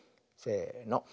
せの。